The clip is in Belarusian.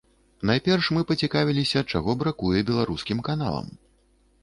Найперш, мы пацікавіліся, чаго бракуе беларускім каналам.